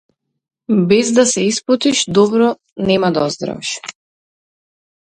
Без да се испотиш добро нема да оздравиш.